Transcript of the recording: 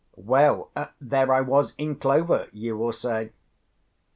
Well, there I was in clover, you will say.